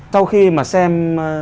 sau khi mà xem